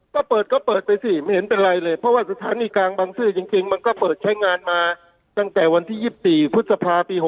ก็เปิดก็เปิดไปสิไม่เห็นเป็นไรเลยเพราะว่าสถานีกลางบังซื้อจริงมันก็เปิดใช้งานมาตั้งแต่วันที่๒๔พฤษภาปี๖๐